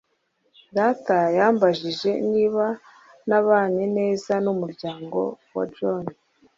data yambajije niba nabanye neza n'umuryango wa jones